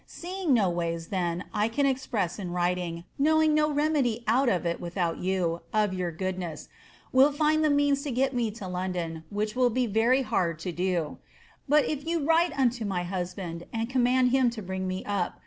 Seeing no ways, then, I can express in writing, knowing no remedy out of it, witlioat you, of yc ux goodness, will find the means to get me to London, which M ill be very bard 0 do; but if you write unto my husband and command him to bring me op.